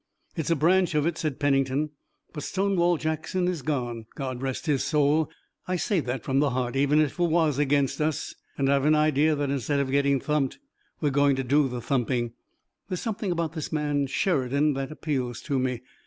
"It's a branch of it," said Pennington, "but Stonewall Jackson is gone, God rest his soul I say that from the heart, even if he was against us and I've an idea that instead of getting thumped we're going to do the thumping. There's something about this man Sheridan that appeals to me.